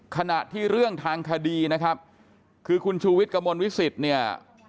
ขณะที่เรื่องทางคดีนะครับคือคุณชูวิทย์กระมวลวิสิตเนี่ย